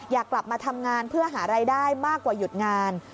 อยากกลับมาทำงานเพื่อหารายได้มากกว่าหยุดงาน